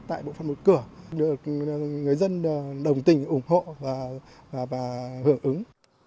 tại bộ phận một cửa được người dân đồng tình ủng hộ và hưởng ứng